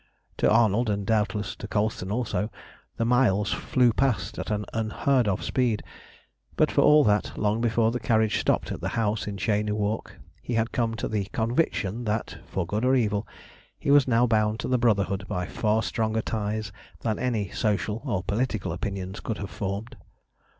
To Arnold, and, doubtless, to Colston also, the miles flew past at an unheard of speed; but for all that, long before the carriage stopped at the house in Cheyne Walk, he had come to the conviction that, for good or evil, he was now bound to the Brotherhood by far stronger ties than any social or political opinions could have formed.